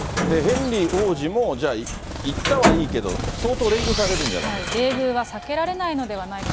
ヘンリー王子もじゃあ、行ったはいいけど、相当冷遇されるん冷遇は避けられないのではないか。